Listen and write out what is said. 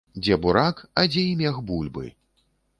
Дзе бурак, а дзе і мех бульбы.